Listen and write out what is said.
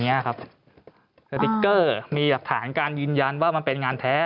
อย่างเงี้ยครับสติ๊กเกอร์มีฐานการยืนยันว่ามันเป็นงานแท้